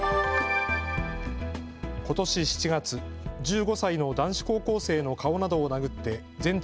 ことし７月、１５歳の男子高校生の顔などを殴って全治